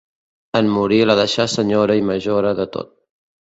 En morir la deixà senyora i majora de tot.